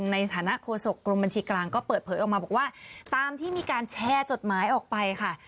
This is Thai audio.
ในฐานะโฆษกรมบัญชีกลางก็เปิดเผยออกมาบอกว่าตามที่มีการแชร์จดหมายออกไปค่ะ